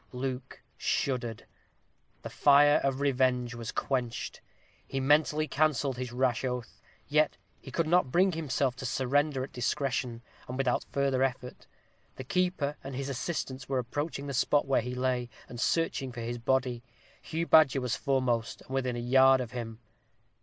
Luke shuddered. The fire of revenge was quenched. He mentally cancelled his rash oath; yet he could not bring himself to surrender at discretion, and without further effort. The keeper and his assistants were approaching the spot where he lay, and searching for his body. Hugh Badger was foremost, and within a yard of him.